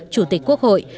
chủ tịch quốc hội